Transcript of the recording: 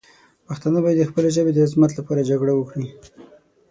پښتانه باید د خپلې ژبې د عظمت لپاره جګړه وکړي.